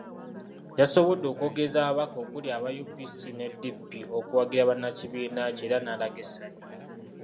Yasobodde okwogereza ababaka okuli aba UPC ne DP okuwagira bannakibiiina kye era n'alaga essanyu.